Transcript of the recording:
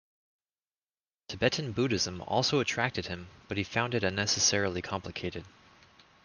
Tibetan Buddhism also attracted him, but he found it unnecessarily complicated.